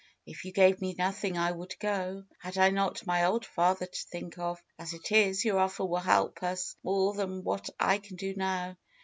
"If you gave me nothing I would go, had I not my old father to think of. As it is, your offer will help us more than what I can do now.